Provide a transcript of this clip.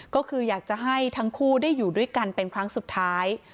ก็คืออยากจะให้ทั้งคู่ได้อยู่ด้วยกันเป็นครั้งสุดท้าย